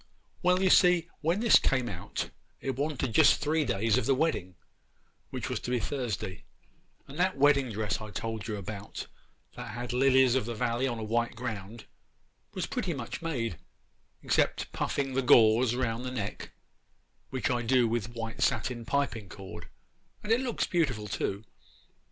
Well, you see, when this came out, it wanted just three days of the wedding, which was to be Thursday; and that wedding dress I told you about, that had lilies of the valley on a white ground, was pretty much made, except puffing the gauze round the neck, which I do with white satin piping cord, and it looks beautiful too.